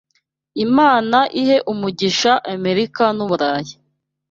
Imana ihe umugisha Amerika n’ uburayi